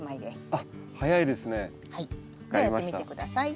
はい。